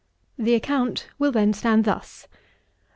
The account will then stand thus: _L.